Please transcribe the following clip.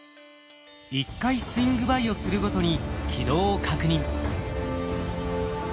１回スイングバイをするごとに軌道を確認。